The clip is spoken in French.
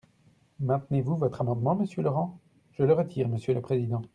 Maintenez-vous votre amendement, monsieur Laurent ? Je le retire, monsieur le président.